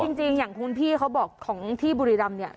จริงอย่างคุณพี่เขาบอกของที่บุรีรำเนี่ย